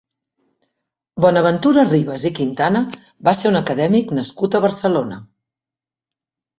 Bonaventura Ribas i Quintana va ser un acadèmic nascut a Barcelona.